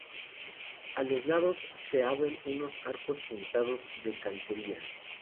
A los lados se abren unos arcos apuntados de cantería.